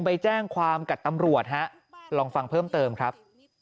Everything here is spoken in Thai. ไปแจ้งความกับตำรวจฮะลองฟังเพิ่มเติมครับ